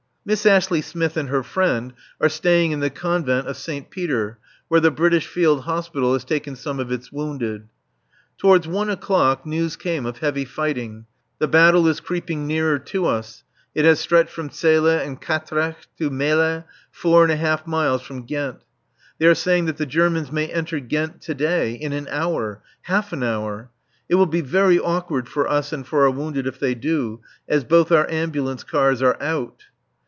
Miss Ashley Smith and her friend are staying in the Couvent de Saint Pierre, where the British Field Hospital has taken some of its wounded. Towards one o'clock news came of heavy fighting. The battle is creeping nearer to us; it has stretched from Zele and Quatrecht to Melle, four and a half miles from Ghent. They are saying that the Germans may enter Ghent to day, in an hour half an hour! It will be very awkward for us and for our wounded if they do, as both our ambulance cars are out.